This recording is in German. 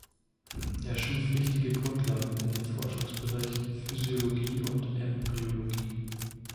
Er schuf wichtige Grundlagen in den Forschungsbereichen Physiologie und Embryologie.